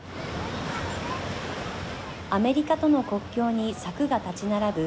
アメリカとの国境に柵が立ち並ぶ